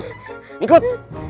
aduh lu ikut